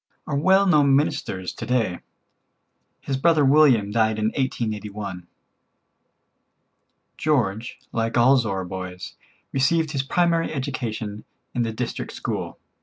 are well known ministers to day. His brother William died in 1881. George, like all Zorra boys, received his primary education in the district school.